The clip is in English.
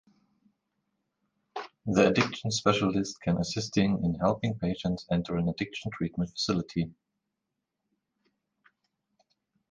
The addiction specialist can assisting in helping patients enter an addiction treatment facility.